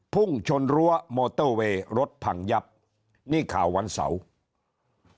พุ่งชนรั้วมอเตอร์เวย์รถพังยับนี่ข่าววันเสาร์